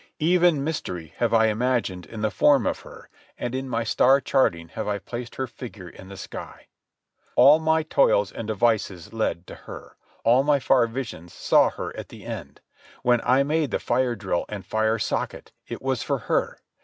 Even mystery have I imaged in the form of her, and in my star charting have I placed her figure in the sky. All my toils and devices led to her; all my far visions saw her at the end. When I made the fire drill and fire socket, it was for her.